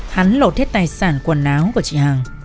hắn lột hết tài sản quần áo của chị hằng